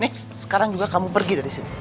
nek sekarang juga kamu pergi dari sini